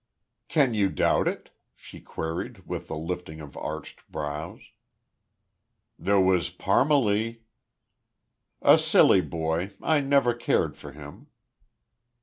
"Can you doubt it?" she queried, with a lifting of arched brows. "There was Parmalee " "A silly boy. I never cared for him!"